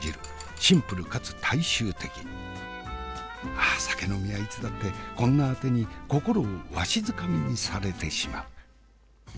ああ酒呑みはいつだってこんなあてに心をわしづかみにされてしまう。